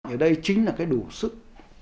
ở đây chính là cái đủ sức